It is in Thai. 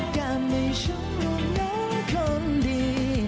แก้มให้ช่วงหนูคนดี